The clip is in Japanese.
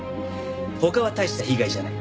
他は大した被害じゃない。